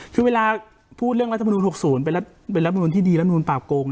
คือเวลาพูดเรื่องตรวจสุน๖๐เป็นตรวจสอบถูกของทอดรัฐบาลกง